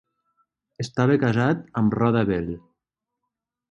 Estava casat amb Rhoda Bell.